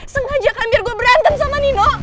sengaja kan biar gue berantem sama nino